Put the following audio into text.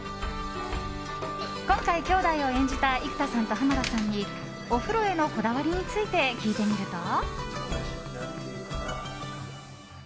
今回、兄弟を演じた生田さんと濱田さんにお風呂へのこだわりについて聞いてみると。